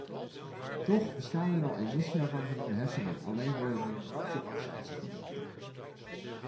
Toch bestaan er al emissieafhankelijke heffingen, alleen worden die brandstofaccijnzen genoemd.